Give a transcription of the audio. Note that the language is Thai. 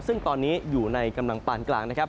ซึ่งตอนนี้อยู่ในกำลังปาลกราง